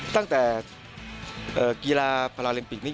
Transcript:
ตั้งแต่กีฬาพลาเลมปิกนี่